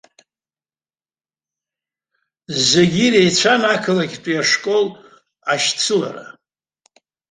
Зегьы иреицәан ақалақьтәи ашкол ашьцылара.